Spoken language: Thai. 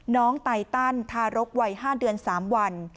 ไตตันทารกวัย๕เดือน๓วัน